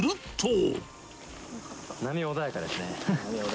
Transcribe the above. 波、穏やかですね。